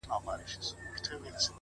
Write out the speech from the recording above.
و خوږ زړگي ته مي؛